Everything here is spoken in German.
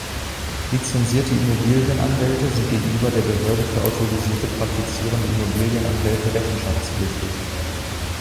Lizenzierte Immobilienanwälte sind gegenüber der Behörde für autorisierte praktizierende Immobilienanwälte rechenschaftspflichtig.